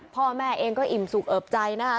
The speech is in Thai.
พ่อแม่เองก็อิ่มสุขเอิบใจนะคะ